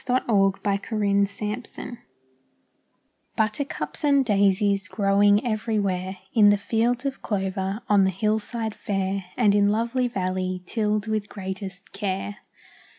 BUTTERCUPS AND DAISIES Buttercups and daisies growing everywhere, In the field of clover, on the hillside fair, And in lovely valley, tilled with greatest care.